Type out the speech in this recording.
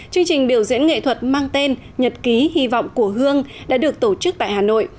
chương trình biểu diễn nghệ thuật mang tên nhật ký hy vọng của hương đã được tổ chức tại hà nội